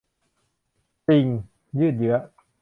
จริง ยืดเยื้อ